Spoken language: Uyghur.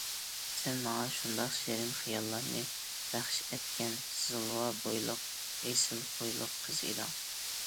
سەن ماڭا شۇنداق شېرىن خىياللارنى بەخش ئەتكەن زىلۋا بويلۇق، ئېسىل خۇيلۇق قىز ئىدىڭ.